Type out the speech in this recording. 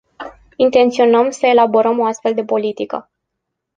Intenționăm să elaborăm o astfel de politică.